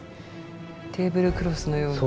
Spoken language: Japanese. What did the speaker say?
テーブルクロスのように。